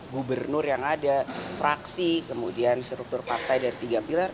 gubernur yang ada fraksi kemudian struktur partai dari tiga pilar